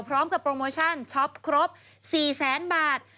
พร้อมกับโปรโมชั่นช็อปครบ๔แสนบาท